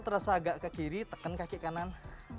terasa agak ke kiri tekan kaki kanan